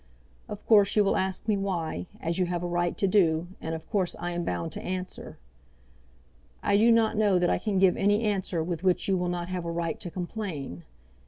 Of course you will ask me why, as you have a right to do, and of course I am bound to answer. I do not know that I can give any answer with which you will not have a right to complain.